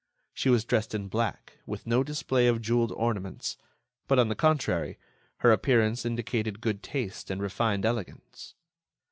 She was dressed in black, with no display of jewelled ornaments; but, on the contrary, her appearance indicated good taste and refined elegance.